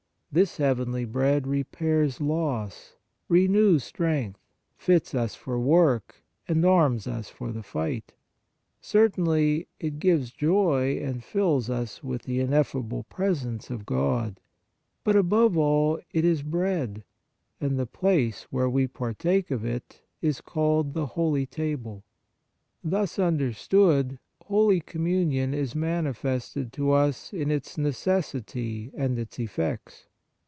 This heavenly bread repairs loss, renews strength, fits us for work and arms us for the fight. Certainly, it gives joy and fills us with the ineffable presence of God ; but above all it is bread, and the * John vi. 50 59. 80 Holy Communion place where we partake of it is called the Holy Table. Thus understood, Holy Communion is manifested to us in its necessity and in its effects.